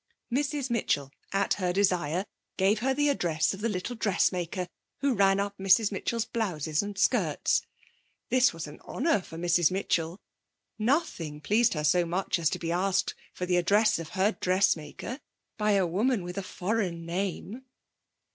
Mrs. Mitchell, at her desire, gave her the address of the little dressmaker who ran up Mrs. Mitchell's blouses and skirts. This was an honour for Mrs. Mitchell; nothing pleased her so much as to be asked for the address of her dressmaker by a woman with a foreign name.